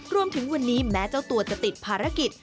รวมถึงวันนี้แม้เจ้าตัวจะติดภารกิจ